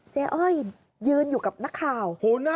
อ้อยยืนอยู่กับนักข่าว